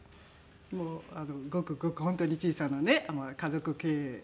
もうごくごく本当に小さなね家族経営でしたね。